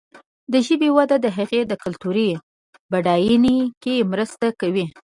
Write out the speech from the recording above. د ژبې وده د هغې د کلتوري بډاینه کې مرسته کوي.